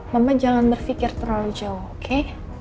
mama jangan berpikir terlalu jauh oke